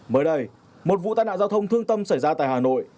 mới đây một vụ tai nạn giao thông thương tâm xảy ra tại hà nội